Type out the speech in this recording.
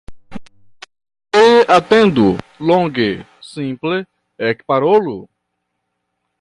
Do, ne atendu longe, simple Ekparolu!